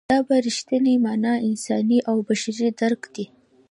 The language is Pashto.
دا په رښتینې مانا انساني او بشري درک دی.